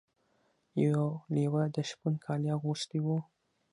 یو لیوه د شپون کالي اغوستي وو.